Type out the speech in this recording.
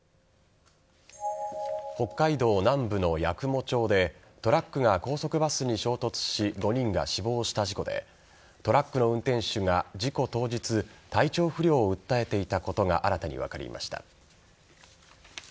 北海道南部の八雲町でトラックが高速バスに衝突し５人が死亡した事故でトラックの運転手が事故当日体調不良を訴えていたことが新たに分かりました。